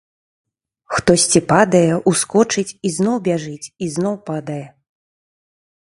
Хтосьці падае, ускочыць і зноў бяжыць і зноў падае.